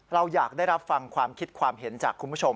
เราอยากได้รับฟังความคิดความเห็นจากคุณผู้ชม